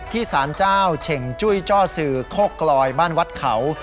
สารเจ้าเฉ่งจุ้ยจ้อสื่อโคกลอยบ้านวัดเขา